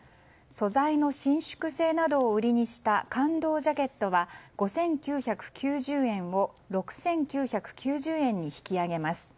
素材の伸縮性などを売りにした感動ジャケットは５９９０円を６９９０円に引き上げます。